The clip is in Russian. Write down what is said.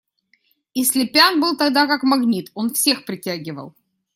И Слепян был тогда как магнит: он всех притягивал.